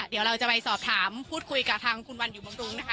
เดี๋ยวเราจะไปสอบถามพูดคุยกับทางคุณวันอยู่บำรุงนะคะ